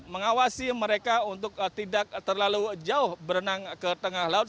mengawasi mereka untuk tidak terlalu jauh berenang ke tengah laut